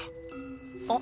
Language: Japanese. あっ！